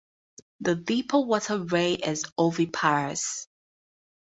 The deepwater ray is oviparous.